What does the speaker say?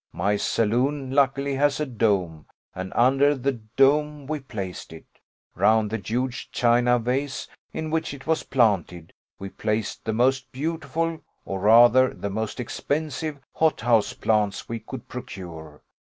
My saloon luckily has a dome, and under the dome we placed it. Round the huge china vase in which it was planted we placed the most beautiful, or rather the most expensive hothouse plants we could procure.